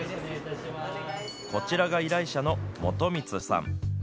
こちらが依頼者の元満さん。